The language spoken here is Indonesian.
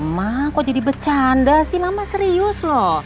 mama kok jadi bercanda sih mama serius loh